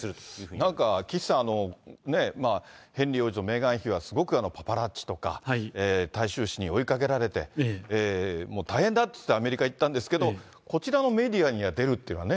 なんか岸さん、ヘンリー王子とメーガン妃は、すごくパパラッチとか、大衆紙に追いかけられて、大変だっていって、アメリカ行ったんですけど、こちらのメディアには出るってのはね。